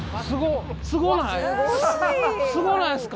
すごない？